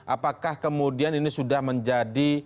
apakah kemudian ini sudah menjadi